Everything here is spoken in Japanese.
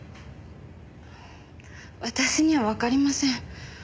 私にはわかりません。